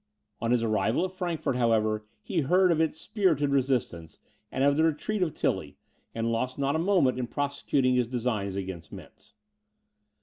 On his arrival at Frankfort, however, he heard of its spirited resistance, and of the retreat of Tilly, and lost not a moment in prosecuting his designs against Mentz.